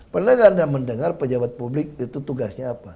pernah nggak anda mendengar pejabat publik itu tugasnya apa